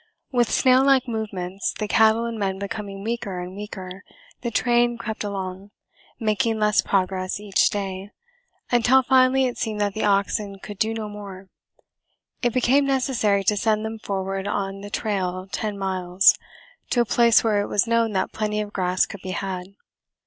With snail like movements, the cattle and men becoming weaker and weaker, the train crept along, making less progress each day, until finally it seemed that the oxen could do no more. It became necessary to send them forward on the trail ten miles, to a place where it was known that plenty of grass could be had.